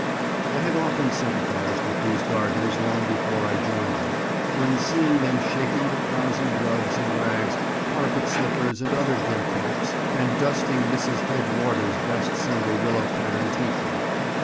I had often sympathized with these gardeners long before I joined them, when seeing them shaking the frowsy rugs and rags, carpet slippers, and other gimcracks, and dusting Mrs. Head Warder's best Sunday willow pattern teapot.